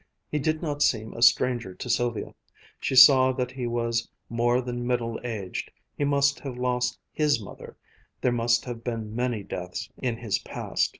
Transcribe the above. He did not seem a stranger to Sylvia. She saw that he was more than middle aged, he must have lost his mother, there must have been many deaths in his past.